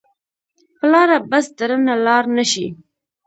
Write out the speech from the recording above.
پلاره بس درنه لاړ نه شي.